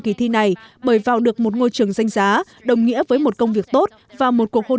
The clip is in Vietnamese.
kỳ thi này bởi vào được một ngôi trường danh giá đồng nghĩa với một công việc tốt và một cuộc hôn